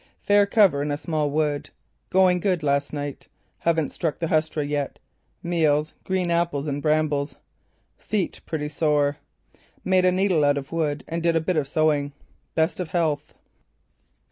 Fair cover in a small wood. Going good last night. Haven't struck the Hustre yet. Meals: green apples and brambles. Feet pretty sore. Made a needle out of wood and did a bit of sewing. Best of health."